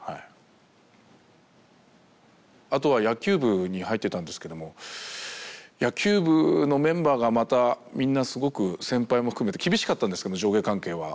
あとは野球部に入ってたんですけども野球部のメンバーがまたみんなすごく先輩も含めて厳しかったんですけど上下関係は。